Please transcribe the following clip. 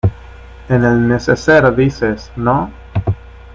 en el neceser dices, ¿ no?